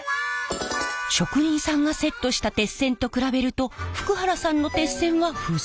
職人さんがセットした鉄線と比べると福原さんの鉄線は不ぞろい。